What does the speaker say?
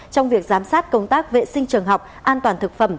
trong việc giám sát công tác vệ sinh trường học an toàn thực phẩm